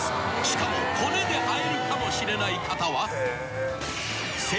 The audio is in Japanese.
［しかもコネで会えるかもしれない方は］